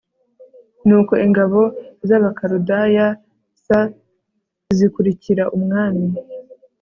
Nuko ingabo z Abakaludaya s zikurikira umwami